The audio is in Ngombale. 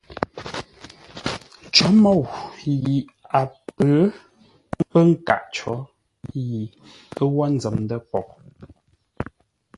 Cǒ môu yi a pə̌ pə nkâʼ có yi ə́ wə́ nzəm ndə̂ poghʼ.